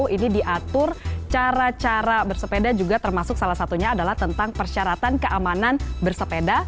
ini diatur cara cara bersepeda juga termasuk salah satunya adalah tentang persyaratan keamanan bersepeda